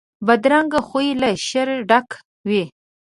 بدرنګه خوی له شره ډک وي